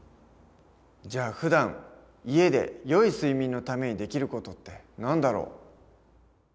じゃあふだん家でよい睡眠のためにできる事って何だろう？